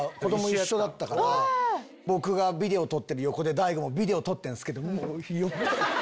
僕がビデオ撮ってる横で大悟もビデオ撮ってんすけどもう。